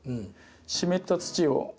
湿った土を。